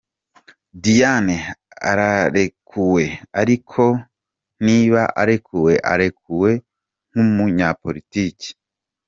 Diane ararekuwe, ariko niba arekuwe, arekuwe nk’umunyapolitiki.